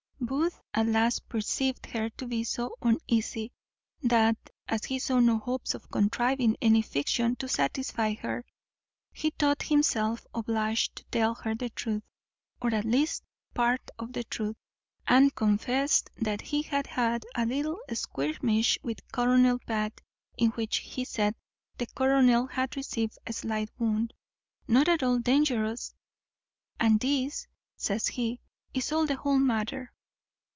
Booth at last perceived her to be so uneasy, that, as he saw no hopes of contriving any fiction to satisfy her, he thought himself obliged to tell her the truth, or at least part of the truth, and confessed that he had had a little skirmish with Colonel Bath, in which, he said, the colonel had received a slight wound, not at all dangerous; "and this," says he, "is all the whole matter."